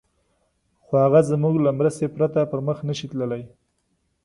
خو هغه زموږ له مرستې پرته پر مخ نه شي تللای.